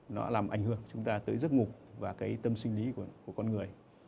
nó làm ảnh hưởng chúng ta tới giấc ngủ và cái tâm sinh lý của con người